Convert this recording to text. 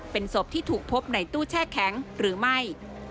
เป็นศพที่ถูกพบในตู้แช่แข็งหรือไม่